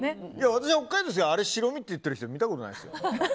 私、北海道ですけどあれを白身って言ってる人見たことないです。